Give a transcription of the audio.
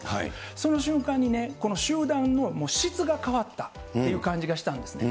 その瞬間にね、この集団の質が変わったっていう感じがしたんですね。